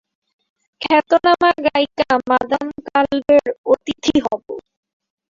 খ্যাতনামা গায়িকা মাদাম কালভের অতিথি হব।